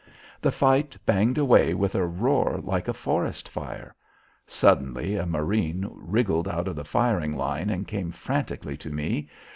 The fight banged away with a roar like a forest fire. Suddenly a marine wriggled out of the firing line and came frantically to me.